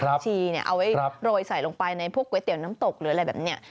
ชีเอาไว้โรยใส่ลงไปในพวกก๋วยเตี๋ยวน้ำตกหรืออะไรแบบนี้